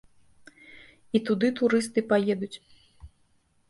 І туды турысты паедуць.